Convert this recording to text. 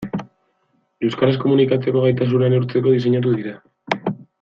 Euskaraz komunikatzeko gaitasuna neurtzeko diseinatu dira.